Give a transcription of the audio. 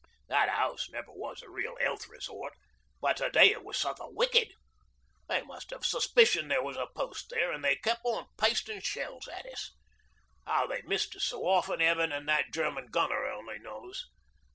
That 'ouse never was a real 'ealth resort, but today it was suthin' wicked. They must 'ave suspicioned there was a Post there, an' they kep' on pastin' shells at us. How they missed us so often, Heaven an' that German gunner only knows.